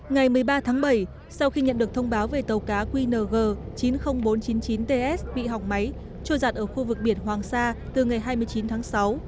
ngày một mươi ba tháng bảy sau khi nhận được thông báo về tàu cá qng chín mươi nghìn bốn trăm chín mươi chín ts bị hỏng máy trôi giặt ở khu vực biển hoàng sa từ ngày hai mươi chín tháng sáu